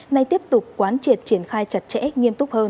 nay tiếp tục quán triệt triển khai chặt chẽ nghiêm túc hơn